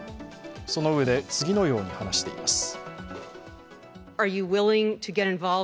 そのうえで次のように話しています。